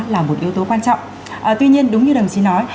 là một yếu tố quan trọng tuy nhiên đúng như đồng chí nói